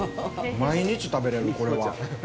毎日食べれる、これは。